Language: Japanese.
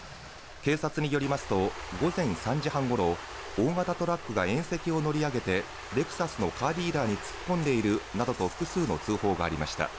警察によりますと、午前３時半ごろ、大型トラックが縁石を乗り上げてレクサスのカーディーラーに突っ込んでいるなどと複数の通報がありました。